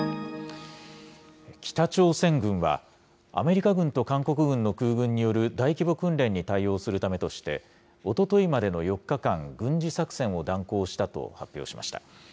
北朝鮮軍は、アメリカ軍と韓国軍の空軍による大規模訓練に対応するためとして、おとといまでの４日間、軍事作戦を断行したと発表しました。